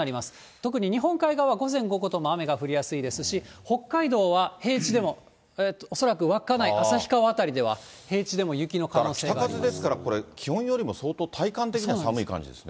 特に日本海側は午前、午後とも雨が降りやすいですし、北海道は平地でも、恐らく稚内、旭川辺りで北風ですから、気温よりも相当体感的には寒い感じですね。